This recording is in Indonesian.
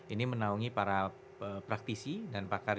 ini menaungi para praktisi dan pakar